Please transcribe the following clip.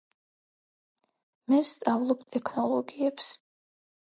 მე ვსწავლობ ტექნოლოგიებს